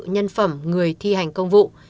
nhân phẩm người thi hành công vụ